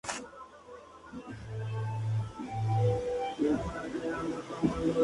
Las siguientes son algunas de sus propiedades matemáticas más importantes.